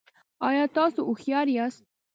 ایا تاسو هوښیار یاست؟